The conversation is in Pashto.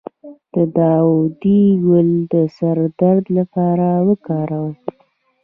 د داودي ګل د سر درد لپاره وکاروئ